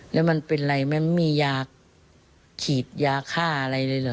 แล้วมันเป็นอะไรมันมียาฉีดยาฆ่าอะไรเลยเหรอ